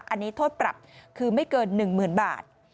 อันนี้โทษปรับคือไม่เกิน๑๐๐๐บาท